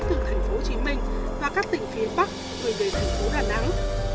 từ thành phố hồ chí minh và các tỉnh phía bắc gửi về thành phố đà nẵng